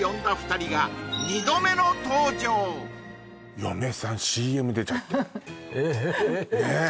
これ嫁さんＣＭ出ちゃってええねえ